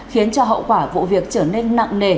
khiến cho hậu quả vụ việc trở nên nặng nề